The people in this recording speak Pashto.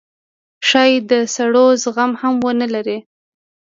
ښايي د سړو زغم هم ونه لرئ